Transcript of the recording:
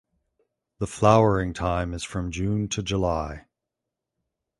The flowering time is from June to July.